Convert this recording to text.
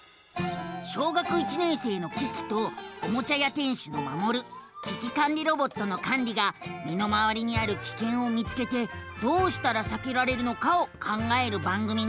小学１年生のキキとおもちゃ屋店主のマモル危機管理ロボットのカンリがみのまわりにあるキケンを見つけてどうしたらさけられるのかを考える番組なのさ。